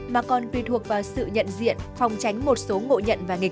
mà còn tùy thuộc vào sự nhận diện phòng tránh một số ngộ nhận và nghịch